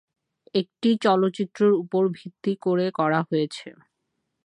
একটি চলচ্চিত্র এর উপর ভিত্তি করে করা হয়েছে।